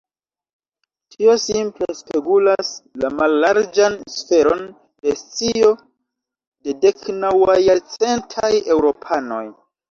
Tio simple spegulas la mallarĝan sferon de scio de deknaŭajarcentaj eŭropanoj.